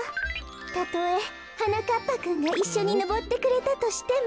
たとえはなかっぱくんがいっしょにのぼってくれたとしても。